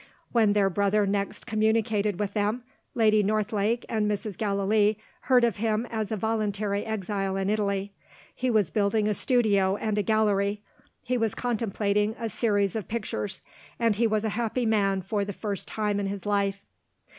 When their brother next communicated with them, Lady Northlake and Mrs. Gallilee heard of him as a voluntary exile in Italy. He was building a studio and a gallery; he was contemplating a series of pictures; and he was a happy man for the first time in his life.